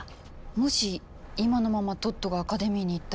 もし今のままトットがアカデミーに行ったら。